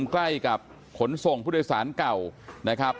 ใกล้กับขนส่งผู้โดยสารเก่านะครับ